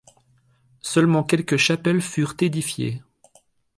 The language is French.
Seulement quelques chapelles furent édifiées.